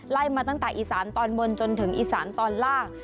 ไล่มาตั้งแต่อีสานตอนบนจนถึงอีสานตอนล่าง